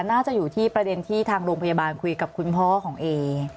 น่าจะอยู่ที่ประเด็นที่ทางโรงพยาบาลคุยกับคุณพ่อของเอ